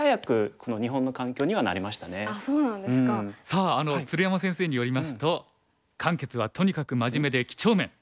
さあ鶴山先生によりますと「漢傑はとにかく真面目で几帳面。